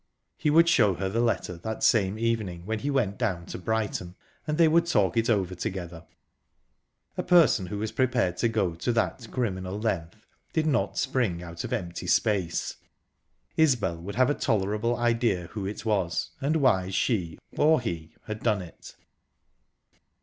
He would show her the letter that same evening when he went down to Brighton, and they would talk it over together. A person who was prepared to go to that criminal length did not spring out of empty space Isbel would have a tolerable idea who it was, and why she, or he, had done it...